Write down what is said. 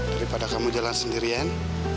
daripada kamu jalan sendirian